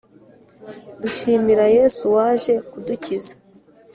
dushimira Yesu waje kudukiza.